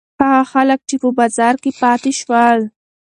هغه خلک چې په بازار کې پاتې شول.